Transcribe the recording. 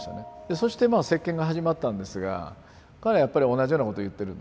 そしてまあ接見が始まったんですが彼はやっぱり同じようなことを言ってるんですね